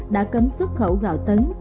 đã cấm xuất khẩu gạo tấn